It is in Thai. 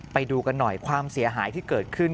ไปดูกันหน่อยความเสียหายที่เกิดขึ้น